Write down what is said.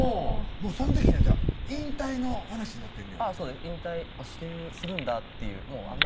うんその時にはじゃあ引退の話になってんねや引退するんだっていうあんな